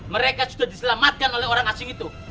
mereka sudah diselamatkan oleh orang asing itu